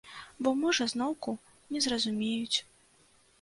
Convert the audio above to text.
Бо, можа, зноўку не зразумеюць.